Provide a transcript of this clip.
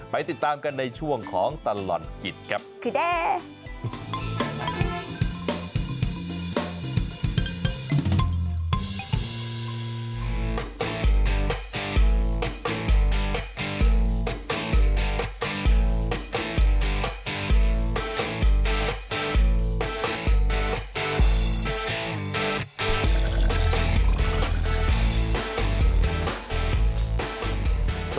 เอาล่ะเดินทางมาถึงในช่วงไฮไลท์ของตลอดกินในวันนี้แล้วนะครับ